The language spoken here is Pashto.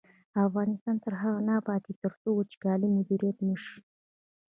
افغانستان تر هغو نه ابادیږي، ترڅو وچکالي مدیریت نشي.